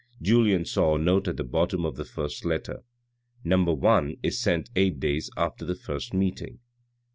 Julien saw a nott at the bottom of the first letter : No. i is sent eight days after the first meeting.